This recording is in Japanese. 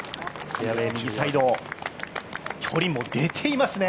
フェアウエー右サイド、距離も出ていますね！